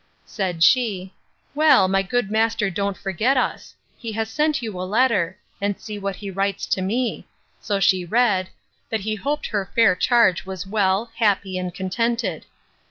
Said she, Well, my good master don't forget us. He has sent you a letter: and see what he writes to me. So she read, That he hoped her fair charge was well, happy, and contented.